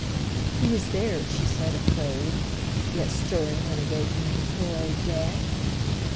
II. Who is there, she said afraid, yet Stirring and awaking The poor old dead?